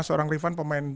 seorang rifan pemain